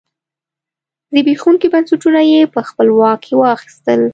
زبېښونکي بنسټونه یې په خپل واک کې واخیستل.